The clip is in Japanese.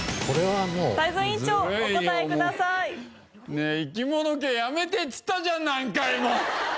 ねえ生き物系やめてっつったじゃん何回も。